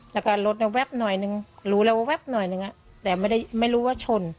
แล้วก็รถเนี่ยแว๊บหน่อยนึงรู้แล้วว่าแว๊บหน่อยนึงอ่ะแต่ไม่ได้ไม่รู้ว่าชน